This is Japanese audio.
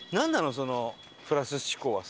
そのプラス思考はさ。